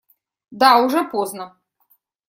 Да, уже поздно.